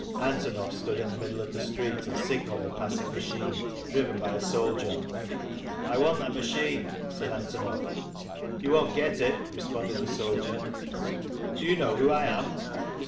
Antonov stood in the middle of the street and signalled a passing machine, driven by a soldier. "I want that machine," said Antonov. "You won't get it," responded the soldier. "Do you know who I am?"